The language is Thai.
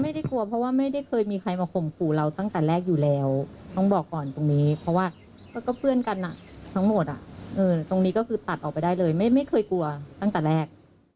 ไม่ได้กลัวเพราะว่าไม่ได้เคยมีใครมาข่มขู่เราตั้งแต่แรกอยู่แล้วต้องบอกก่อนตรงนี้เพราะว่าก็เพื่อนกันทั้งหมดตรงนี้ก็คือตัดออกไปได้เลยไม่เคยกลัวตั้งแต่แรก